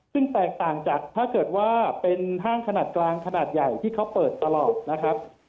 ซึ่งแตกต่างจากถ้าเกิดว่าเป็นห้างขนาดกลางขนาดใหญ่ที่เขาเปิดตลอดนะครับ